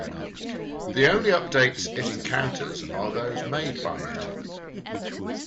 The only updates it encounters are those made by it.